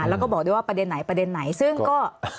แล้วก็บอกด้วยว่าประเด็นไหนประเด็นไหนซึ่งก็